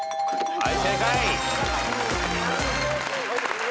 はい。